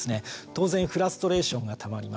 当然フラストレーションがたまります。